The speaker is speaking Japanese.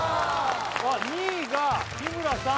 ２位が日村さん